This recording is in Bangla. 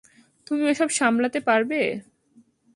তুমি ওসব সামলাতে পারবে?